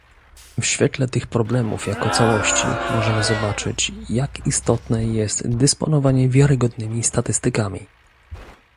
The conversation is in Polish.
W świetle tych problemów jako całości możemy zobaczyć, jak istotne jest dysponowanie wiarygodnymi statystykami